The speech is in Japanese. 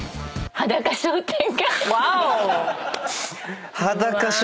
裸商店街。